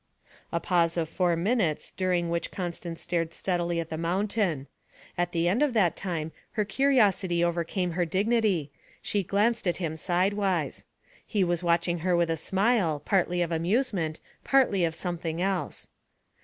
A pause of four minutes during which Constance stared steadily at the mountain. At the end of that time her curiosity overcame her dignity; she glanced at him sidewise. He was watching her with a smile, partly of amusement, partly of something else.